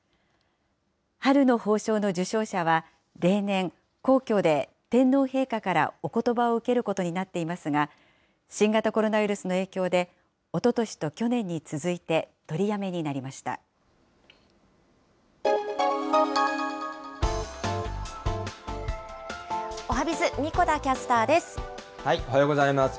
春の褒章の受章者は例年、皇居で天皇陛下からおことばを受けることになっていますが、新型コロナウイルスの影響で、おととしと去年に続いて取りやめになりおはＢｉｚ、神子田キャスターです。